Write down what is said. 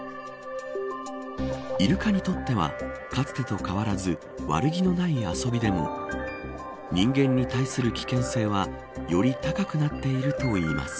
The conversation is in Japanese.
イルカにとってはかつてと変わらず悪気のない遊びでも人間に対する危険性はより高くなっているといいます。